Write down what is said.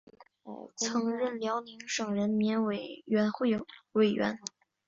曾任辽宁省人民委员会委员。